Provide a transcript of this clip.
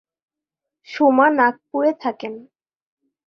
সোমা নাগপুরে থাকেন।